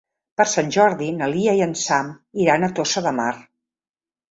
Per Sant Jordi na Lia i en Sam iran a Tossa de Mar.